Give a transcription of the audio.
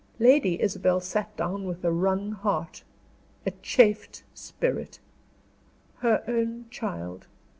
Lady Isabel sat down with a wrung heart, a chafed spirit. Her own child!